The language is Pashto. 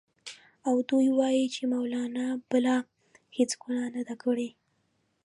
او دوی وايي چې مولنا بله هېڅ ګناه نه ده کړې.